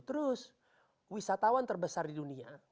terus wisatawan terbesar di dunia